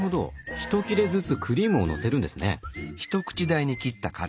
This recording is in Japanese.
ひと切れずつクリームをのせるんですね。